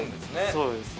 そうです